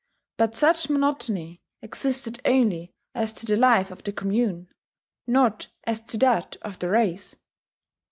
But such monotony existed only as to the life of the commune, not as to that of the race.